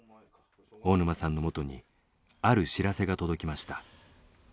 大沼さんのもとにある知らせが届きました。